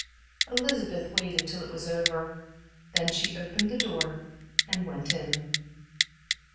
Elizabeth waited till it was over; then she opened the door and went in.